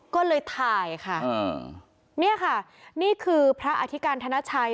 ก็เลยถ่ายค่ะเนี่ยค่ะนี่คือพระอธิการธนชัย